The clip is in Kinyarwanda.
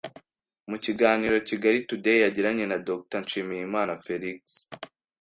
Mu kiganiro Kigali Today yagiranye na Dr. Nshimiyimana Felix